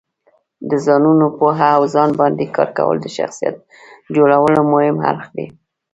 د ځانو پوهه او ځان باندې کار کول د شخصیت جوړولو مهم اړخ دی.